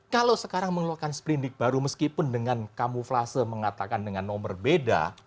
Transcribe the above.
kalau sekarang mengeluarkan seperindik baru meskipun dengan kamuflase mengatakan dengan nomor beda